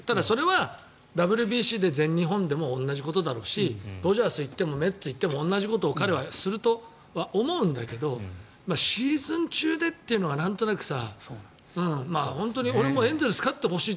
ただ、それはＷＢＣで全日本でも同じことだしドジャースに行ってもメッツに行っても同じことを彼はするとは思うんだけどシーズン中でというのがなんとなくさ。